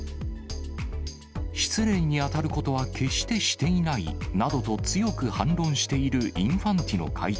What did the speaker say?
失礼に当たることは決していないなどと、強く反論しているインファンティノ会長。